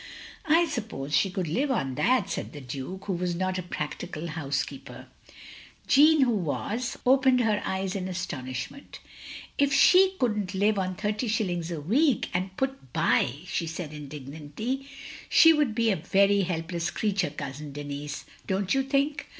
" "I suppose she cotild live on that," said the Duke, who was not a practical hotisekeeper. Jeanne, who was, opened her eyes in astonish ment. If she cotild n't live on thirty shillings a week, and put by —*' she said, indignantly, "she would be a very helpless creature, Cotisin Denis, don't you think?"